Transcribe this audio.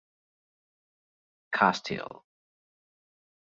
Kasteel.